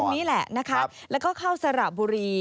ตรงนี้แหละนะคะแล้วก็เข้าสระบุรี